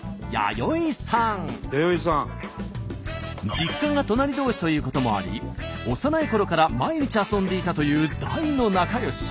実家が隣同士ということもあり幼いころから毎日遊んでいたという大の仲よし。